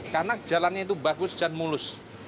karena jalannya itu bagus dan mulus